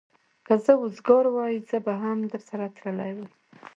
که زه وزګار وای، زه به هم درسره تللی وای.